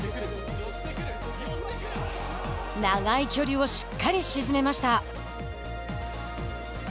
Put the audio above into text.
長い距離をしっかり沈めました。